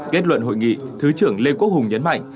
kết luận hội nghị thứ trưởng lê quốc hùng nhấn mạnh